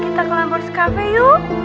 kita ke lamors cafe yuk